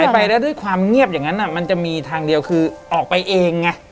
ไปแล้วด้วยความเงียบอย่างนั้นมันจะมีทางเดียวคือออกไปเองไง